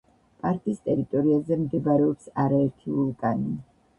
პარკის ტერიტორიაზე მდებარეობს არაერთი ვულკანი.